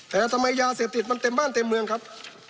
แต่ทำไมยาเสพติดมันเต็มบ้านเต็มเมืองครับ